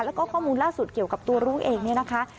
แล้วก็ข้อมูลล่าสุดเกี่ยวกับตัวรู้เองเนี่ยนะคะ